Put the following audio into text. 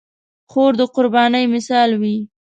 خور د قربانۍ مثال وي.